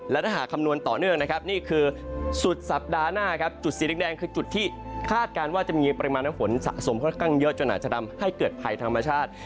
และถ้าหากคำนวณต่อเนื่องนะครับนี่คือสุดสัปดาห์หน้าครับจุดสีแดงคือจุดที่คาดการณ์ว่าจะมีปริมาณน้ำฝนสะสมค่อนข้างเยอะจนอาจจะทำให้เกิดภัยธรรมชาติ